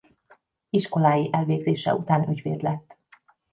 Iskolái elvégzése után ügyvéd lett.